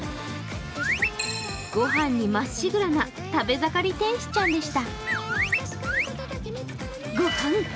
ご飯にまっしぐらな食べ盛り天使ちゃんでした。